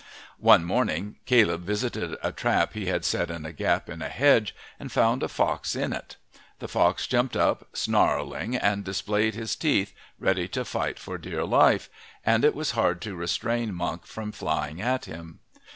One morning Caleb visited a trap he had set in a gap in a hedge and found a fox in it. The fox jumped up, snarling and displaying his teeth, ready to fight for dear life, and it was hard to restrain Monk from flying at him.